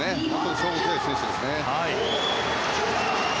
勝負強い選手です。